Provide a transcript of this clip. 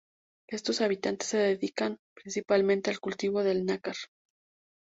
Estos habitantes se dedicaban principalmente al cultivo del nácar.